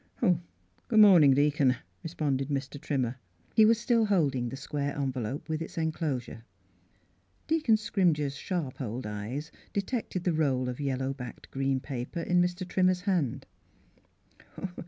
" Good mornin', deacon," responded Mr. Trimmer. He was still holding the square envelope with its enclosure. Deacon Scrimger's sharp old eyes de tected the roll of yellow backed green paper in Mr. Trimmer's hand.